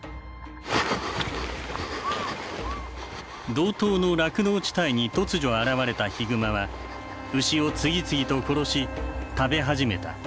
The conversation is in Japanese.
道東の酪農地帯に突如現れたヒグマは牛を次々と殺し食べ始めた。